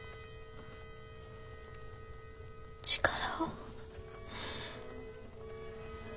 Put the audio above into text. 力を。